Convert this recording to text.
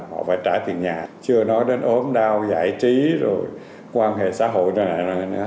họ phải trả tiền nhà chưa nói đến ốm đau giải trí quan hệ xã hội